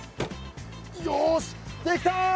よしできた！